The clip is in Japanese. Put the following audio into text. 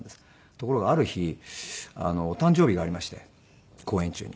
ところがある日お誕生日がありまして公演中に。